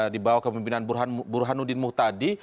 di bawah kemimpinan burhanuddin muhtadi